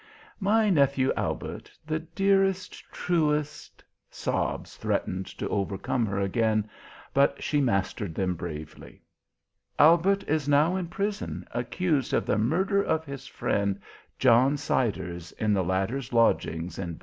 My nephew Albert, the dearest, truest " sobs threatened to overcome her again, but she mastered them bravely. "Albert is now in prison, accused of the murder of his friend, John Siders, in the latter's lodgings in G